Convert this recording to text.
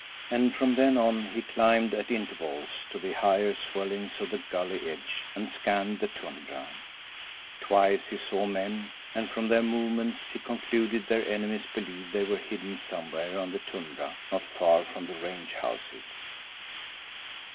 And from then on he climbed at intervals to the higher swellings of the gully edge and scanned the tundra. Twice he saw men, and from their movements he concluded their enemies believed they were hidden somewhere on the tundra not far from the range houses.